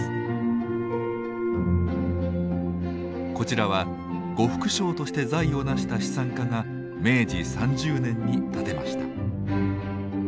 こちらは呉服商として財をなした資産家が明治３０年に建てました。